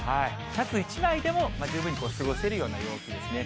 シャツ１枚でも十分に過ごせるような陽気ですね。